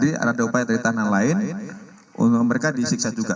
jadi ada upaya dari tahanan lain mereka disiksa juga